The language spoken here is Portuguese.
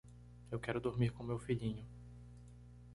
Eu quero dormir com meu filhinho.